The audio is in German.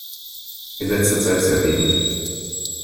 In letzter Zeit sehr wenig.